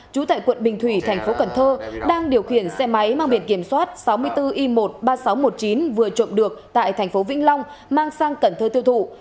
trú tại quận bình thủy tp cần thơ đang điều khiển xe máy mang biệt kiểm soát sáu mươi bốn i một mươi ba nghìn sáu trăm một mươi chín vừa trộm được tại tp vĩnh long mang sang cần thơ tiêu thụ